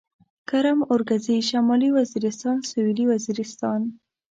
کرم اورکزي شمالي وزيرستان سوېلي وزيرستان